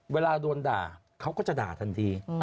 เวลาโดนด่าเขาก็จะด่าทันที